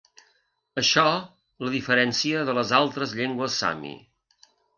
Això la diferència de les altres llengües sami.